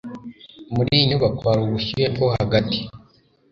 Muri iyi nyubako hari ubushyuhe bwo hagati?